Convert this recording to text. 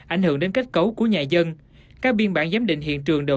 ảnh hưởng đến kết cấu của nhà dân các biên bản giám định hiện trường đều